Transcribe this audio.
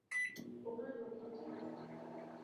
ওখানে লোক রয়েছে, ম্যাভ।